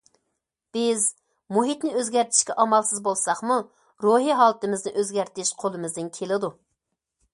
بىز مۇھىتنى ئۆزگەرتىشكە ئامالسىز بولساقمۇ، روھى ھالىتىمىزنى ئۆزگەرتىش قولىمىزدىن كېلىدۇ.